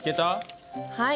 はい。